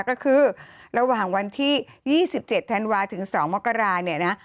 ก็คือระหว่างวันที่๒๗ธันวาถึง๒มกราเนี่ยนะ